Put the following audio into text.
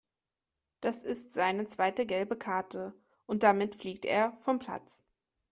Das ist seine zweite gelbe Karte und damit fliegt er vom Platz.